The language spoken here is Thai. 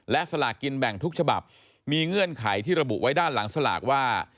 และสลากกินแบ่งทุกฉบับมีเงื่อนไขที่ระบุไว้ด้านหลังสลากว่า